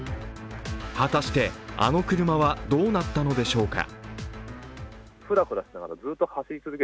果たして、あの車はどうなったのでしょうか。